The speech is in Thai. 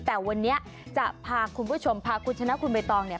แต่วันนี้จะพาคุณผู้ชมพาคุณชนะคุณใบตองเนี่ย